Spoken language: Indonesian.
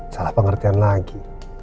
salah pengertian lagi